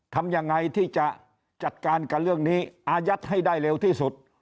ทำยังไงที่จะจัดการกับเรื่องนี้อายัดให้ได้เร็วที่สุด